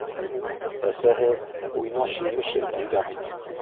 Әсәһе «уйнаш емеше» ти ҙә бит...